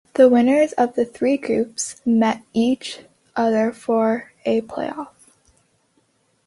The winners of the three groups met each other for a play-off.